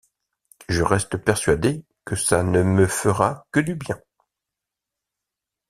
Je reste persuadé que ça ne me fera que du bien.